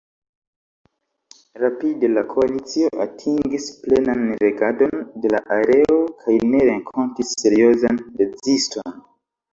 Rapide la koalicio atingis plenan regadon de la aero kaj ne renkontis seriozan reziston.